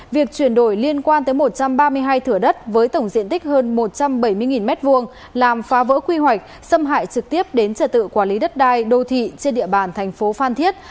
việc chuyển đổi liên quan tới một trăm ba mươi hai thửa đất với tổng diện tích hơn một trăm bảy mươi m hai làm phá vỡ quy hoạch xâm hại trực tiếp đến trật tự quản lý đất đai đô thị trên địa bàn thành phố phan thiết